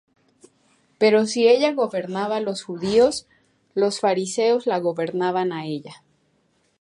Pero si ella gobernaba a los judíos, los fariseos la gobernaban a ella.